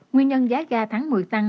nguyên nhân giá ga tháng một mươi tăng